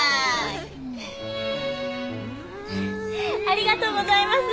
ありがとうございます。